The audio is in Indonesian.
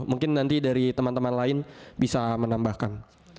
mungkin nanti dari teman teman lain bisa menambahkan